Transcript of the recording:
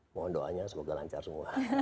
mohon doanya semoga lancar semua